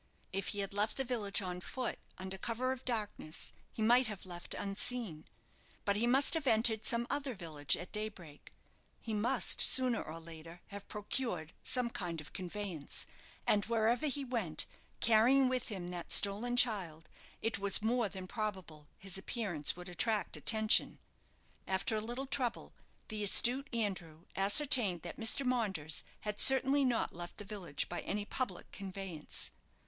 If he had left the village on foot, under cover of darkness, he might have left unseen; but he must have entered some other village at daybreak; he must sooner or later have procured some kind of conveyance; and wherever he went, carrying with him that stolen child, it was more than probable his appearance would attract attention. After a little trouble, the astute Andrew ascertained that Mr. Maunders had certainly not left the village by any public conveyance.